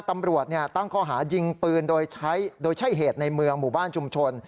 ตำรวจตั้งข้อหายิงปืนโดยใช้โดยใช้เหตุในเมืองหมู่บ้านชุมชน